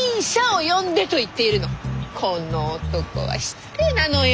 この男は失礼なのよ。